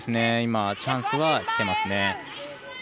今、チャンスは来てますね。